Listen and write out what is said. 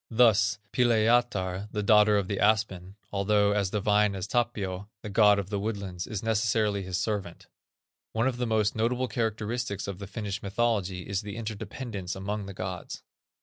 Thus, Pilajatar, the daughter of the aspen, although as divine as Tapio, the god of the woodlands, is necessarily his servant. One of the most notable characteristics of the Finnish mythology is the interdependence among the gods.